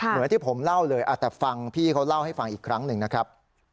เหมือนที่ผมเล่าเลยแต่ฟังพี่เขาเล่าให้ฟังอีกครั้งหนึ่งนะครับ